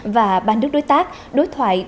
và ban đức đối tác đối thoại